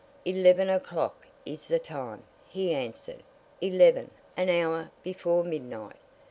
"Eleven o'clock is the time," he answered. "Eleven an hour before midnight.